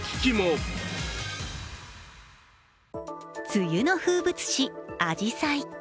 梅雨の風物詩、あじさい。